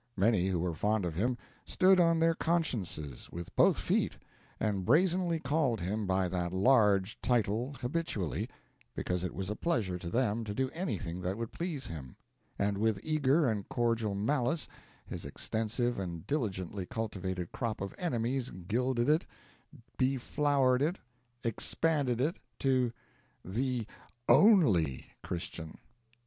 Many who were fond of him stood on their consciences with both feet and brazenly called him by that large title habitually, because it was a pleasure to them to do anything that would please him; and with eager and cordial malice his extensive and diligently cultivated crop of enemies gilded it, beflowered it, expanded it to "The _only _Christian."